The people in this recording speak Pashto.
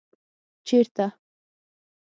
ـ چېرته؟